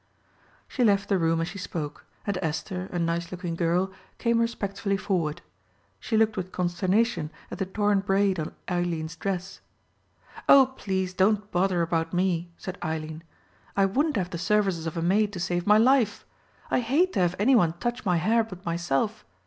She left the room as she spoke, and Esther, a nice looking girl, came respectfully forward. She looked with consternation at the torn braid on Eileen's dress. "Oh, please, don't bother about me," said Eileen. "I wouldn't have the services of a maid to save my life. I hate to have anyone touch my hair but myself.